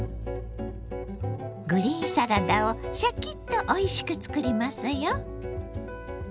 グリーンサラダをシャキッとおいしく作りますよ。